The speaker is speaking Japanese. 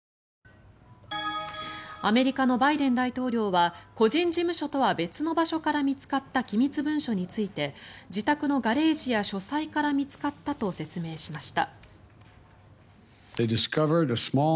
アメリカのバイデン大統領は個人事務所とは別の場所から見つかった機密文書について自宅のガレージや書斎から見つかったと説明しました。